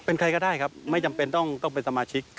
เป็นใครก็ได้ครับไม่จำเป็นต้องเป็นสมาชิก